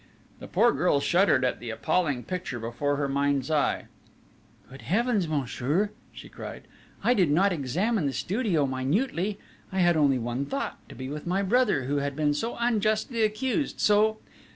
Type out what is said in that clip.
The poor girl shuddered at the appalling picture before her mind's eye: "Good Heavens, monsieur," she cried, "I did not examine the studio minutely! I had only one thought to be with my brother, who had been so unjustly accused, so